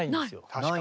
確かに。